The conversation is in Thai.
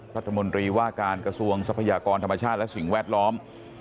รัฐมนตรีว่าการกระทรวงทรัพยากรธรรมชาติและสิ่งแวดล้อม